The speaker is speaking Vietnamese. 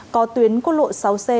có tuyến quốc lộ sáu xe